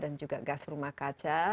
dan juga gas rumah kaca